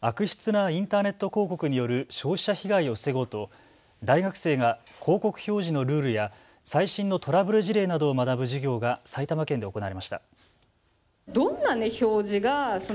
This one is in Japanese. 悪質なインターネット広告による消費者被害を防ごうと大学生が広告表示のルールや最新のトラブル事例などを学ぶ授業が埼玉県で行われました。